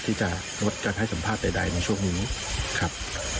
ที่จะงดการให้สัมภาษณ์ใดในช่วงนี้ครับ